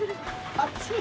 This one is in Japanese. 熱い！